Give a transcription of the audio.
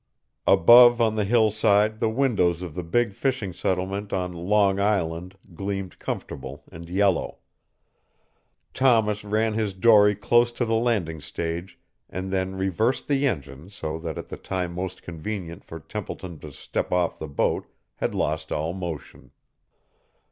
Above on the hillside the windows of the big fishing settlement on Long Island gleamed comfortable and yellow. Thomas ran his dory close to the landing stage and then reversed the engine so that at the time most convenient for Templeton to step off the boat had lost all motion.